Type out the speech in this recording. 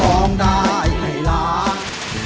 ร้องได้ให้ล้าน